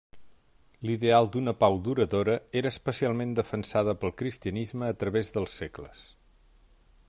L'ideal d'una pau duradora era especialment defensada pel cristianisme a través dels segles.